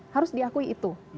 harus diakui itu